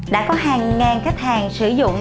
đã có hàng ngàn khách hàng sử dụng